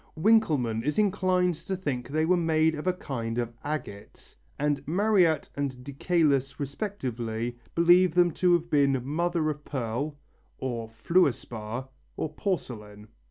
Winkelmann is inclined to think they were made of a kind of agate, and Mariette and de Caylus respectively believe them to have been mother of pearl, or fluor spar, or porcelain.